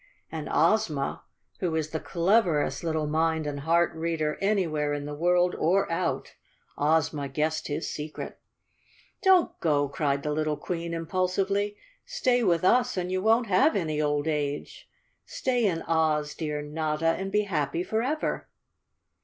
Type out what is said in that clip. And Ozma, who is the cleverest little mind and heart reader anywhere in the world or out—Ozma guessed his secret. " Don't go I " cried the little Queen impulsively. " Stay with us and you won't have any old age. Stay in Oz, dear Notta, and be happy forever."